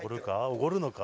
おごるのか？